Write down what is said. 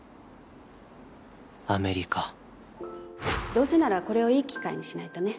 どうせならこれをいい機会にしないとね。